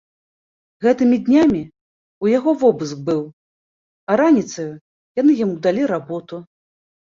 Гэтымі днямі ў яго вобыск быў, а раніцаю яны яму далі работу.